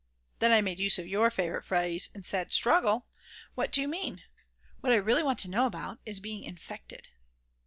Then I made use of your favourite phrase and said: "Struggle, what do you mean? What I really want to know about is being infected."